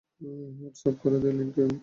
WhatsApp করে দেই link?